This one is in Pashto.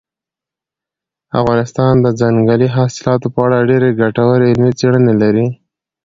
افغانستان د ځنګلي حاصلاتو په اړه ډېرې ګټورې علمي څېړنې لري.